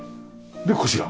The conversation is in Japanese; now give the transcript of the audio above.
でこちら。